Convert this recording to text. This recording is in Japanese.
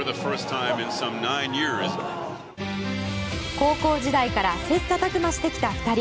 高校時代から切磋琢磨してきた２人。